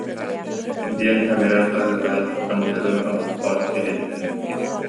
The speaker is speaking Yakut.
диэн өмүрэн хаһыытаат, тымтыгын оһоххо элиттэ